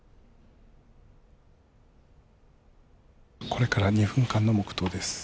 これから２分間の黙とうです。